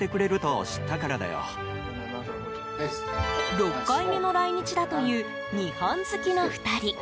６回目の来日だという日本好きの２人。